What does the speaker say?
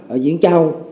ở diễn châu